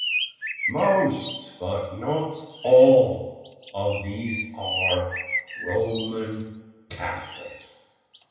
Most, but not all, of these are Roman Catholic.